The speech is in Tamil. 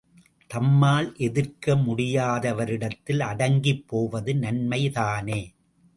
தம்மால் எதிர்க்க முடியாதவரிடத்தில் அடங்கிப் போவது நன்மைதானே!